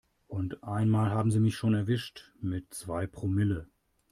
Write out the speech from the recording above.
Und einmal haben sie mich schon erwischt mit zwei Promille.